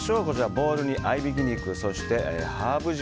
ボウルに合いびき肉、ハーブ塩。